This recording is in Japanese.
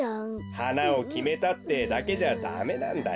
はなをきめたってだけじゃダメなんだよ。